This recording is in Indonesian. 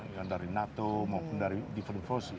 yang dari nato maupun dari different forces